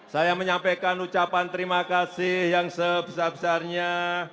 saya menyampaikan ucapan terima kasih yang sebesar besarnya